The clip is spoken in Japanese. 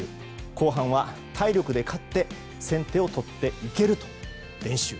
後半は体力で勝って先手を取っていけると、練習。